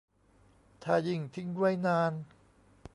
ถ้ายิ่งทิ้งไว้นาน